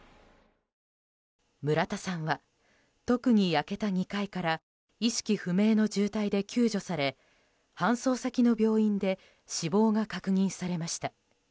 村田さんは特に焼けた２階から意識不明の重体で救助され搬送先の病院で死亡が確認されました。